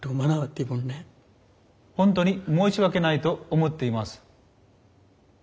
本当に申し訳ないと思っています。